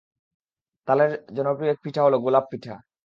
তালের জনপ্রিয় এক পিঠা হলো গোলাপ পিঠা।